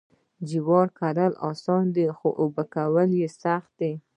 جوار کرل اسانه خو اوبه کول یې سخت دي.